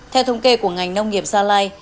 theo thống kê của ngành nông nghiệp gia lai